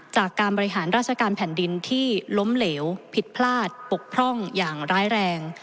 จากการบริหารราชการแผ่นดินที่ล้มเหลวผิดพลาดปกพร่องอย่างร้ายแรง